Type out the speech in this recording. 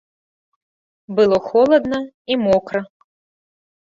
Было холадна і мокра.